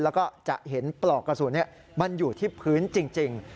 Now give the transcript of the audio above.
แล้วก็จะเห็นปลอกกระสุนมันอยู่ที่พื้นจริง